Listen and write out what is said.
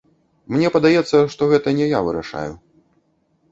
Мне падаецца, што гэта не я вырашаю.